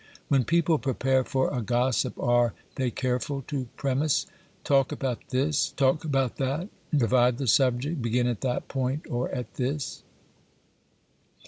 When people prepare for a gossip are they careful to premise : Talk about this, talk about that ; divide the subject, begin at that point or at this